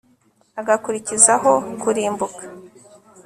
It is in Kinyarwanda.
agakurizaho kurimbuka